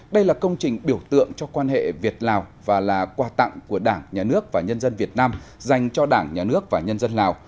đây là công trình biểu tượng cho quan hệ việt lào và là quà tặng của đảng nhà nước và nhân dân việt nam dành cho đảng nhà nước và nhân dân lào